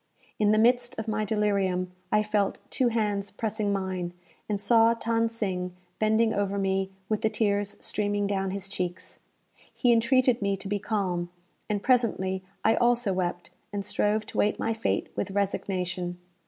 In the midst of my delirium, I felt two hands pressing mine, and saw Than Sing bending over me, with the tears streaming down his cheeks. He entreated me to be calm; and presently I also wept, and strove to wait my fate with resignation.